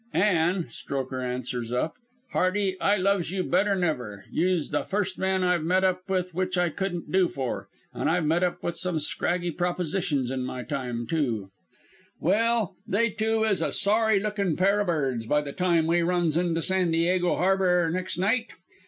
"An' Strokher answers up: "'Hardie, I loves you better'n ever. You'se the first man I've met up with which I couldn't do for an' I've met up with some scraggy propositions in my time, too.' "Well, they two is a sorry lookin' pair o' birds by the time we runs into San Diego harbour next night.